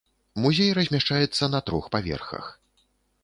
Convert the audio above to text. Музей размяшчаецца на трох паверхах.